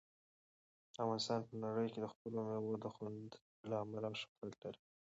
افغانستان په نړۍ کې د خپلو مېوو د خوند له امله شهرت لري.